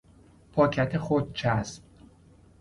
پاکت خودچسب